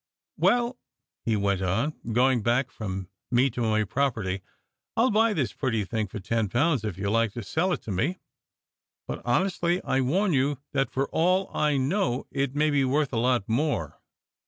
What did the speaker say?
"Well," he went on, going back from me to my property. " I ll buy this pretty thing for ten pounds if you like to sell it to me; but honestly, I warn you that for all I know it may be worth a lot more."